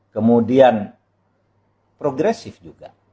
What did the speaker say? kemudian progresif juga